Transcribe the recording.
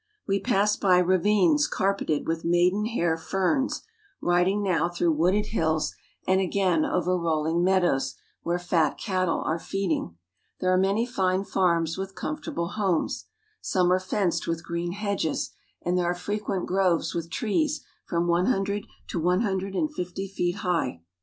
We pass by ravines carpeted with maiden hair ferns, riding now I NATAL, THE GAKDEN OF SOUTH AKRICA 3" through wooded hills and again over rolUng meadows where fat cattle are feeding. There are many fine farms with comfortable homes. Some are fenced with green hedges, and there are frequent groves with trees from one hundred to one hundred and fifty feet high. I